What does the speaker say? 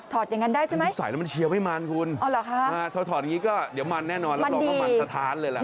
ถอดอย่างนั้นได้ใช่ไหมถอดอย่างนี้ก็เดี๋ยวมันแน่นอนแล้วเราก็มันทะท้านเลยแหละ